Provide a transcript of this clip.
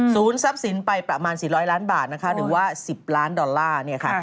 ทรัพย์สินไปประมาณ๔๐๐ล้านบาทหรือว่า๑๐ล้านดอลลาร์